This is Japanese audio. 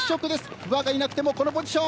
不破がいなくてもこのポジション。